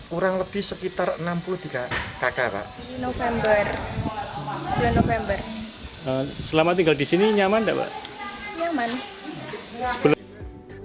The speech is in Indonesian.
kurang lebih sekitar enam puluh tiga kakak kakak november november selamat tinggal di sini nyaman dapat